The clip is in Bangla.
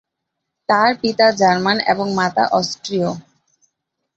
তার পিতা জার্মান এবং মাতা অস্ট্রীয়।